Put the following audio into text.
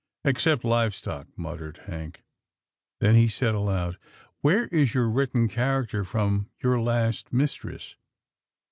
" Except live stock," muttered Hank. Then he said aloud, " Where is your written character from your last mistress?